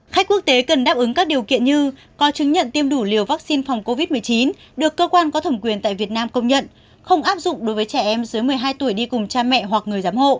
khách quốc tế cần đáp ứng các điều kiện như có chứng nhận tiêm đủ liều vaccine phòng covid một mươi chín được cơ quan có thẩm quyền tại việt nam công nhận không áp dụng đối với trẻ em dưới một mươi hai tuổi đi cùng cha mẹ hoặc người giám hộ